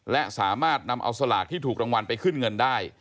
และสามารถนำเอาสลากที่ถูกรางวัลไปขึ้นเงินได้